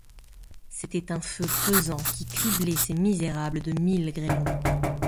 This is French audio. C'était un feu pesant qui criblait ces misérables de mille grêlons.